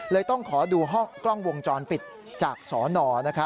เลยต้องขอดูห้องกล้องวงจรปิดจากสน